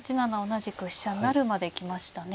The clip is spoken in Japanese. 同じく飛車成まで来ましたね。